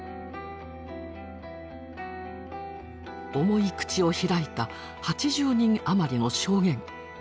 重い口を開いた８０人余りの証言。